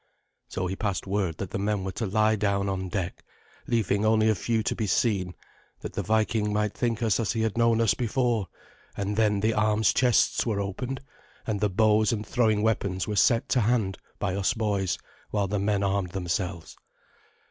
So he passed word that the men were to lie down on deck, leaving only a few to be seen, that the Viking might think us as he had known us before; and then the arms chests were opened, and the bows and throwing weapons were set to hand by us boys while the men armed themselves.